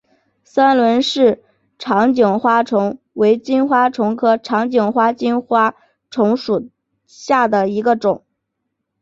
三轮氏长颈金花虫为金花虫科长颈金花虫属下的一个种。